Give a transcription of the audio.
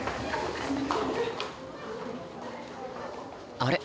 あれ？